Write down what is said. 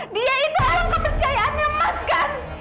dia itu orang kepercayaan lemas kan